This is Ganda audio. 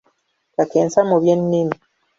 Kakensa mu by’ennimi.